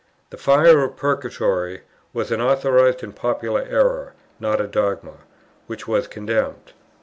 The fire of Purgatory was an authorized and popular error, not a dogma, which was condemned.